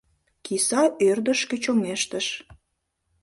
Киса ӧрдыжкӧ чоҥештыш.